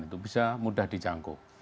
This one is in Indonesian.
itu bisa mudah dicangkuk